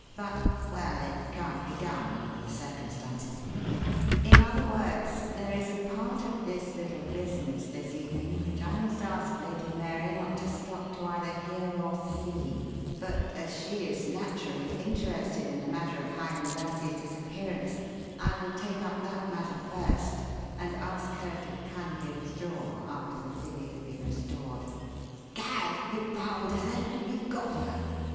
But well it can't be done under the circumstances. In other words, there is a part of this little business this evening which I must ask Lady Mary not to stop to either hear or see; but as she is naturally interested in the matter of Highland Lassie's disappearance I will take up that matter first and ask her to kindly withdraw after the filly has been restored." "Gad! you've found her, then? You've got her?"